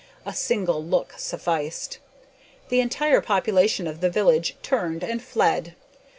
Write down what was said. A single look sufficed. The entire population of the village turned and fled!